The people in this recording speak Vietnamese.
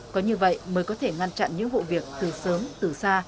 có như vậy mới có thể ngăn chặn những vụ việc từ sớm từ xa